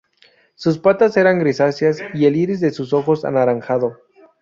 Sus patas eran grisáceas y el iris de sus ojos anaranjado.